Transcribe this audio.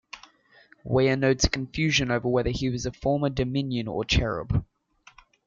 Weyer notes a confusion over whether he was a former Dominion or Cherub.